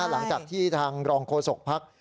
หลังจากที่ทางรองโคศกพรรค